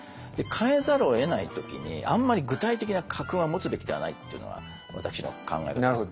変えざるをえない時にあんまり具体的な家訓は持つべきではないっていうのは私の考え方です。